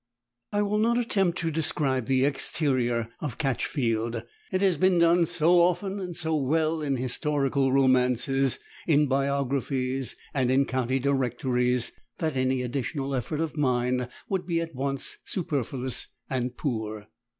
I will not attempt to describe the exterior of Catchfield, it has been done so often and so well in historical romances, in biographies, and in County Directories that any additional effort of mine would be at once superfluous and poor.